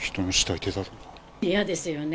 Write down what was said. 嫌ですよね。